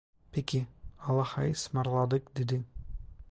"Peki, allahaısmarladık…" dedi.